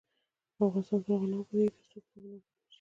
افغانستان تر هغو نه ابادیږي، ترڅو کتابتونونه اباد نشي.